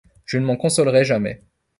Je ne m’en consolerai jamais.